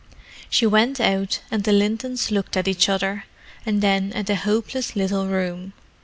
She went out, and the Lintons looked at each other, and then at the hopeless little room.